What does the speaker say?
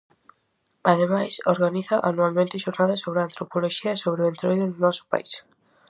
Ademais, organiza anualmente xornadas sobre antropoloxía e sobre o Entroido no noso país.